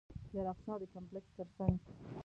د الاقصی د کمپلکس تر څنګ.